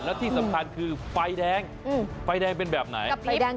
แล้วที่สำคัญคือไฟแดงไฟแดงเป็นแบบไหน